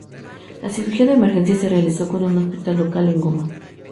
La cirugía de emergencia se realizó en un hospital local en Goma.